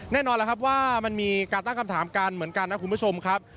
แน่นอนแล้วครับว่ามันมีการตั้งคำถามกันเหมือนกันนะคุณผู้ชมครับ